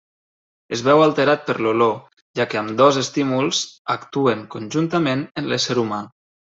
Es veu alterat per l'olor, ja que ambdós estímuls actuen conjuntament en l'ésser humà.